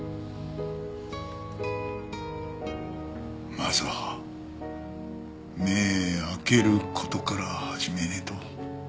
まずは目ぇ開ける事から始めねえと。